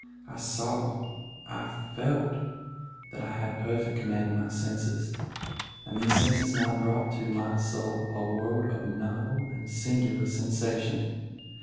I saw—I felt that I had perfect command of my senses—and these senses now brought to my soul a world of novel and singular sensation.